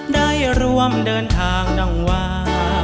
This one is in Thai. ได้รวมเดินทางดังวา